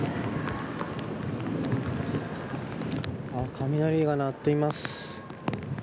雷が鳴っています。